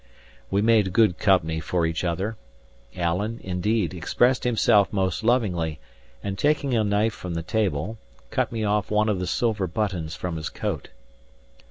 We made good company for each other. Alan, indeed, expressed himself most lovingly; and taking a knife from the table, cut me off one of the silver buttons from his coat.